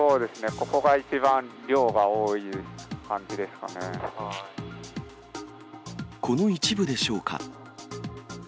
ここが一番量がこの一部でしょうか。